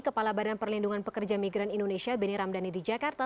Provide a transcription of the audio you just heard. kepala badan perlindungan pekerja migran indonesia benny ramdhani di jakarta